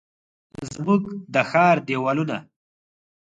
زموږ د ښار دیوالونه،